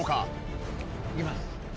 いきます。